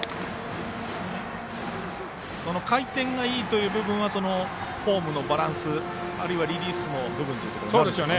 回転がいいという部分はフォームのバランスあるいはリリースの部分になるでしょうね。